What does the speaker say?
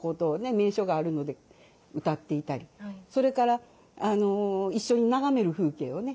名所があるので歌っていたりそれから一緒に眺める風景をね